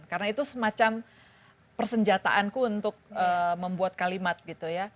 karena itu semacam persenjataanku untuk membuat kalimat gitu ya